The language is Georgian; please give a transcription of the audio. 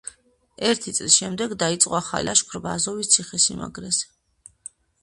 ერთი წლის შემდეგ დაიწყო ახალი ლაშქრობა აზოვის ციხესიმაგრეზე.